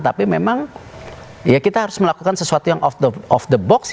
tapi memang ya kita harus melakukan sesuatu yang of the box